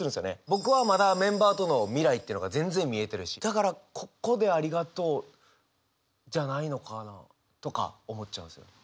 僕はまだメンバーとの未来っていうのが全然見えてるしだからここでありがとうじゃないのかなとか思っちゃいますよね。